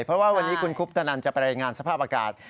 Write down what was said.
เพราะว่าวันนี้คุณคุปตนันจะไปรายงานสภาพอากาศ